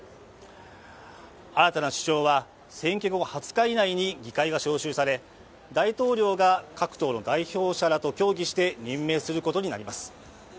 新たな首相は、選挙後２０日以内に議会が召集され大統領が各党の代表者らと協議して任命することになります。